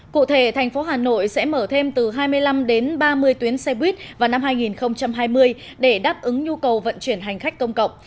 cụ thể thành phố hà nội sẽ mở thêm từ hai mươi năm đến ba mươi tuyến xe buýt vào năm hai nghìn hai mươi để đáp ứng nhu cầu vận chuyển hành khách công cộng